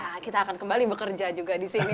iya kita akan kembali bekerja juga disini